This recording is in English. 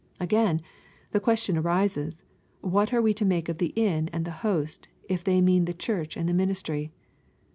Again, the question arises, what are we to make of the inn and the host, if they mean the Church and the ministry?